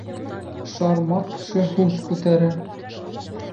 Шар-мар кеше һүҙ күтәрә